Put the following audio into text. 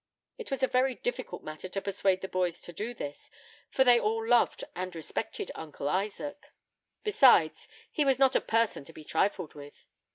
It was a very difficult matter to persuade the boys to do this, for they all loved and respected Uncle Isaac; besides, he was not a person to be trifled with.